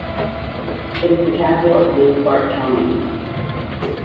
It is the capital of Lidzbark County.